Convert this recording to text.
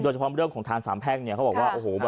โดยเฉพาะเรื่องของทางสามแพร่งเขาบอกว่า